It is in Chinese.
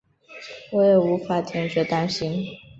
我也无法停止担心